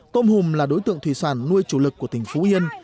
tôm hùm là đối tượng thủy sản nuôi chủ lực của tỉnh phú yên